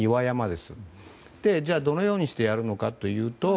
では、どのようにしてやるのかというと。